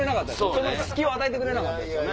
その隙を与えてくれなかった。